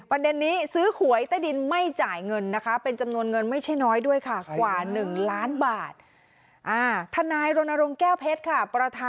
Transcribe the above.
ประเด็นนี้ซื้อหวยใต้ดินไม่จ่ายเงินนะคะเป็นจำนวนเงินไม่ใช่น้อยด้วยค่ะกว่า๑ล้านบาท